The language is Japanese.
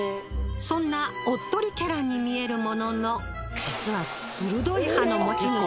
そんなおっとりキャラに見えるものの実は鋭い歯の持ち主。